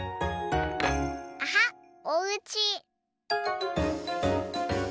アハッおうち。